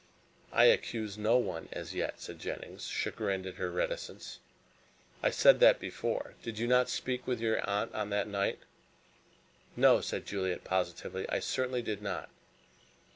"I accuse no one, as yet," said Jennings, chagrined at her reticence, "I said that before. Did you not speak with your aunt on that night?" "No," said Juliet positively. "I certainly did not."